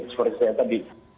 sebuah risetnya tadi